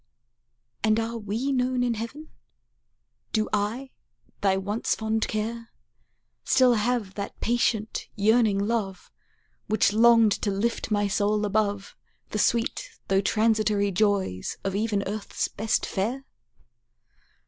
And are we known in heaven? Do I, thy once fond care, Still have that patient yearning love Which longed to lift my soul above The sweet though transitory joys of even earth's best fare?